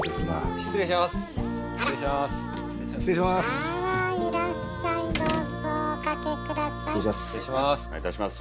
失礼します。